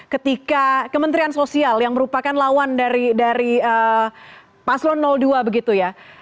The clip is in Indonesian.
ketika kementerian sosial yang merupakan lawan dari paslon dua begitu ya